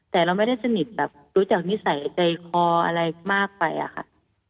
แต่เราไม่ได้สนิทแบบรู้จักนิสัยใจคออะไรมากไปอะค่ะ